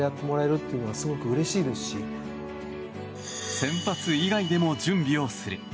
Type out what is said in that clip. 先発以外でも準備をする。